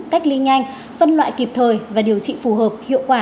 cách ly nhanh phân loại kịp thời và điều trị phù hợp hiệu quả